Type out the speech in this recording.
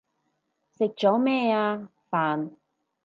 食咗咩啊？飯